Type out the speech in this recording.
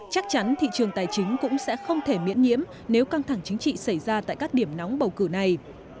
chắc chắn thị trường tài chính cũng sẽ không thể miễn nhiễm nếu căng thẳng chính trị xảy ra tại các điểm nóng bầu cử này